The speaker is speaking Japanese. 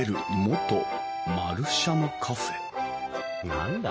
何だ？